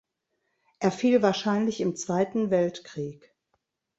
Er fiel wahrscheinlich im Zweiten Weltkrieg.